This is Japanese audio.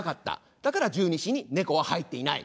だから十二支にネコは入っていない。